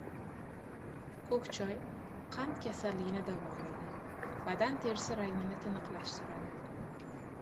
Ko‘k choy qand kasalligini davolaydi; – badan terisi rangini tiniqlashtiradi.